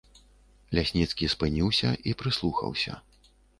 Лясніцкі спыніўся і прыслухаўся.